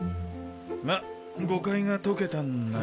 まっ誤解が解けたんなら。